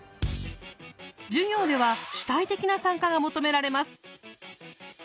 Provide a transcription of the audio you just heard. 授業では主体的な参加が求められます。